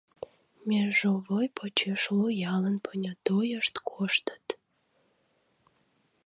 Межовой почеш лу ялын понятойышт коштыт.